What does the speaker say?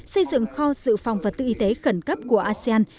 xây dựng kho dự phòng và tự y tế khẩn cấp của asean